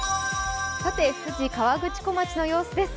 富士河口湖町の様子です。